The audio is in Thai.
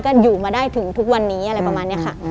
ก็อยู่มาได้ถึงทุกวันนี้อะไรประมาณนี้ค่ะ